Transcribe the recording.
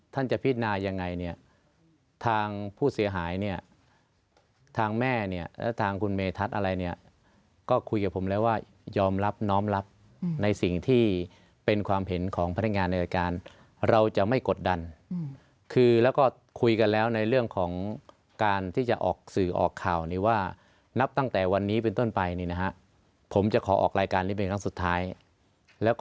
จะพิจารณายังไงเนี่ยทางผู้เสียหายเนี่ยทางแม่เนี่ยและทางคุณเมทัศน์อะไรเนี่ยก็คุยกับผมแล้วว่ายอมรับน้อมรับในสิ่งที่เป็นความเห็นของพนักงานในรายการเราจะไม่กดดันคือแล้วก็คุยกันแล้วในเรื่องของการที่จะออกสื่อออกข่าวนี้ว่านับตั้งแต่วันนี้เป็นต้นไปนี่นะฮะผมจะขอออกรายการนี้เป็นครั้งสุดท้ายแล้วก็